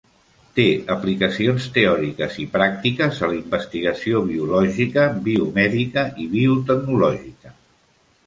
Té aplicacions teòriques i pràctiques a la investigació biològica, biomèdica i biotecnològica.